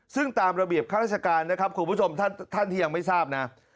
ซึ่งตามระเบียบข้าราชการนะครับคุณผู้ชมท่านที่ยังไม่ทราบนะ